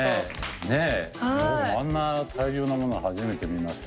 あんな大量なもの初めて見ました。